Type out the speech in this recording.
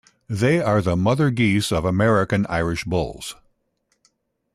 They are the Mother Geese of American Irish bulls.